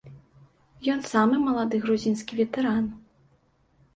Ён самы малады грузінскі ветэран.